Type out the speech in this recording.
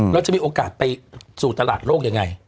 เราจะมีโอกาสไปสู่ตลาดโลกยังไง